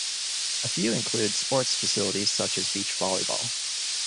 A few include sports facilities such as beach volleyball.